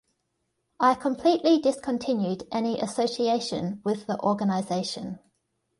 I completely discontinued any association with the organization.